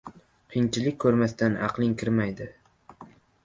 • Qiyinchilik ko‘rmasdan aqling kirmaydi.